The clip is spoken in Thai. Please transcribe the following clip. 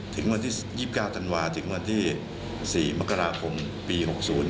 ตั้งแต่วันที่๒๙ถันวาถึงวันที่๔มกราภงปี๖๐